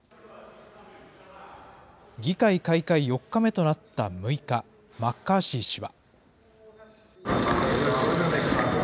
議会開会４日目となった６日、マッカーシー氏は。